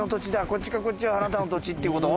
こっちからこっちはあなたの土地ってこと？